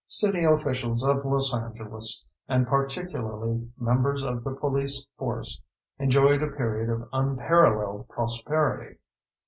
City officials of Los Angeles, and particularly members of the police force, enjoyed a period of unparalleled prosperity.